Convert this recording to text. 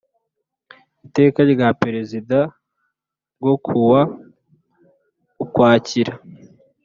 Iteka rya Perezida ryo kuwa Ukwakira